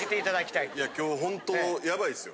いや今日ほんとヤバいですよ。